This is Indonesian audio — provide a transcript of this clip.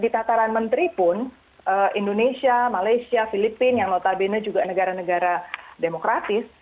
di tataran menteri pun indonesia malaysia filipina yang notabene juga negara negara demokratis